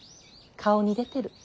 顔に出てる。